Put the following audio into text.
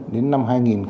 đến năm hai nghìn ba mươi